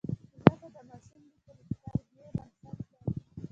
ژبه د ماشوم د تربیې بنسټ دی